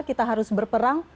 kita harus berperang